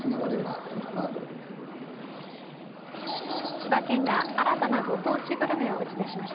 千葉県が新たなご当地グルメを打ち出しました。